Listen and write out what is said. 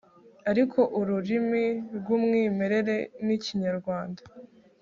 Ariko ururimi rw umwimerere ni ikinyarwanda